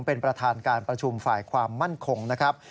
เป็นประธานการประชุมฝ่ายความมั่นคงนะครับ